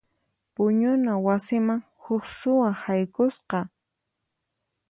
Puñuna wasiman huk suwa haykusqa.